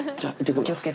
お気を付けて。